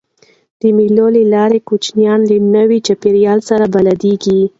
د مېلو له لاري کوچنيان له نوي چاپېریال سره بلديږي.